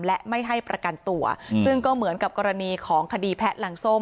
และไม่ให้ประกันตัวซึ่งก็เหมือนกับกรณีของคดีแพะหลังส้ม